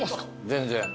全然。